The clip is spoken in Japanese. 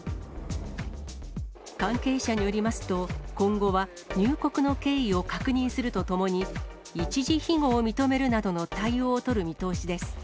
関係者によりますと、今後は入国の経緯を確認するとともに、一時ひごを認めるなどの対応を取る見通しです。